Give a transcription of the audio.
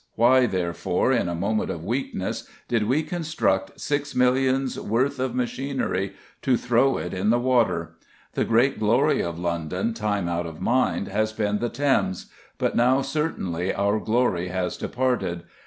Why, therefore, in a moment of weakness, did we construct six millions' worth of machinery to throw it in the water? The great glory of London, time out of mind, has been the Thames, but now certainly our glory has departed.